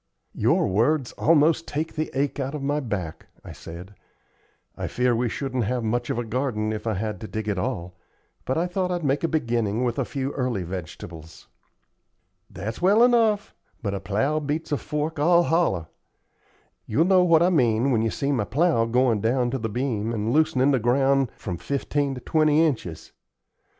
"Your words almost take the ache out of my back," I said. "I fear we shouldn't have much of a garden if I had to dig it all, but I thought I'd make a beginning with a few early vegetables." "That's well enough, but a plow beats a fork all hollow. You'll know what I mean when you see my plow going down to the beam and loosenin' the ground from fifteen to twenty inches.